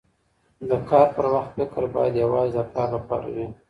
د کار پر وخت فکر باید یواځې د کار لپاره وي.